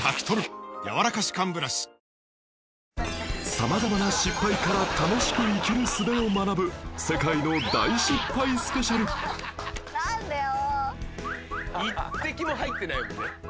様々な失敗から楽しく生きるすべを学ぶ世界の大失敗スペシャルなんでよ！